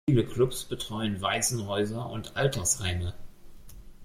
Viele Clubs betreuen Waisenhäuser und Altersheime.